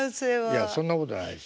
いやそんなことないですよ。